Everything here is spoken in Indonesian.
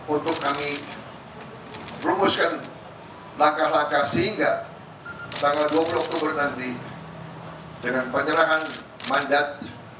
untuk kami rumuskan langkah langkah sehingga tanggal dua puluh oktober nanti dengan penyerangan mandat